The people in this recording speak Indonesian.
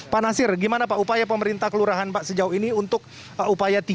pak nasir bagaimana pak upaya pemerintah kelurahan sejauh ini untuk upaya tiga t